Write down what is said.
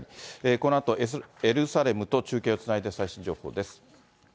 このあとエルサレムと中継をつないで最新情報です。